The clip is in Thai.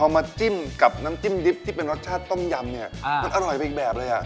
มาจิ้มกับน้ำจิ้มดิบที่เป็นรสชาติต้มยำเนี่ยมันอร่อยไปอีกแบบเลยอ่ะ